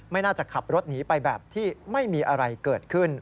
น่าจะขับรถหนีไปแบบที่ไม่มีอะไรเกิดขึ้น